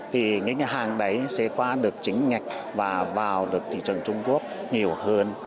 thì những hàng đấy sẽ qua được chính ngạch